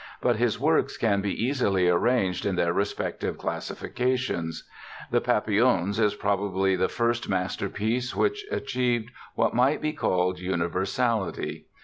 But his works can be easily arranged in their respective classifications. The "Papillons" is probably the first masterpiece which achieved what might be called universality.